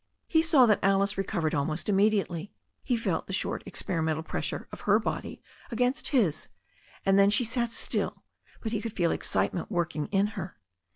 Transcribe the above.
He saw that Alice recovered almost immediately. He felt the short experimental pressure of her body against his, and then she sat still, but he could feel excitement working in her.